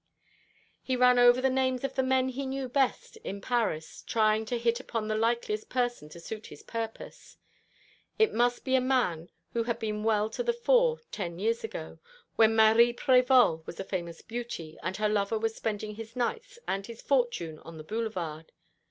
He ran over the names of the men he knew best in Paris, trying to hit upon the likeliest person to suit his purpose. It must be a man who had been well to the fore ten years ago, when Marie Prévol was a famous beauty, and her lover was spending his nights and his fortune on the Boulevard.